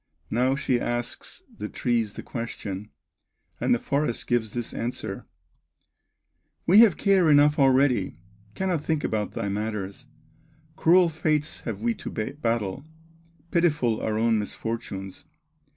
Now she asks the trees the question, And the forest gives this answer: "We have care enough already, Cannot think about thy matters; Cruel fates have we to battle, Pitiful our own misfortunes!